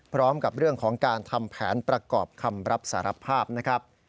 พร้อมกับเรื่องของการทำแผนประกอบคำรับสารภาพนะครับ